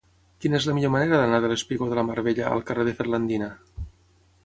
Quina és la millor manera d'anar del espigó de la Mar Bella al carrer de Ferlandina?